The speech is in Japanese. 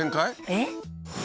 えっ？